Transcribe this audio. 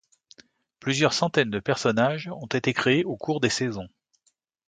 Plusieurs centaines de personnages ont été créés au cours des saisons.